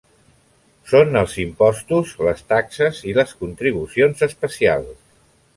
Són els impostos, les taxes i les contribucions especials.